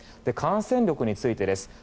感染力についてです。